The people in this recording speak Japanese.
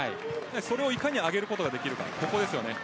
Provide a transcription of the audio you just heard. それをいかに上げることができるか。